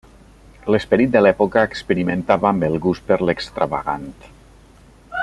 L'esperit de l'època experimentava amb el gust per l'extravagant.